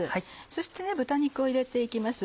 そして豚肉を入れて行きます。